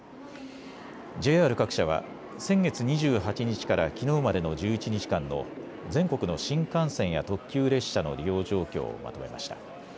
ＪＲ各社は、先月２８日からきのうまでの１１日間の、全国の新幹線や特急列車の利用状況をまとめました。